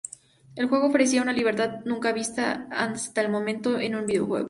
El juego ofrecía una libertad nunca vista hasta el momento en un videojuego.